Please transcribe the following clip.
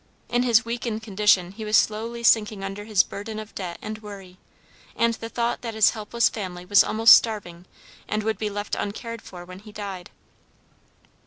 In his weakened condition he was slowly sinking under his burden of debt and worry, and the thought that his helpless family was almost starving and would be left uncared for when he died.